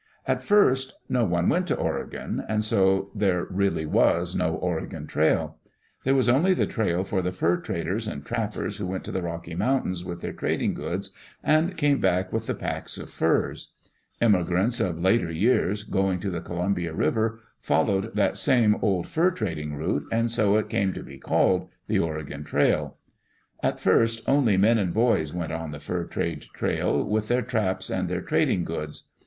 At first no one went to Oregon, and so there really was no "Oregon trail.'* There was only the trail for the fur traders and trappers who went to the Rocky Mountains with their trading goods and came back with the packs of furs. Immigrants of later years, going to the Columbia River, followed that same old fur trading route, and so it came to be called the "Oregon trail." Digitized by CjOOQ IC EARLY DAYS IN OLD OREGON At first, only men and boys went on the fur trade trail, with their traps and their trading goods.